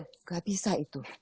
tidak bisa itu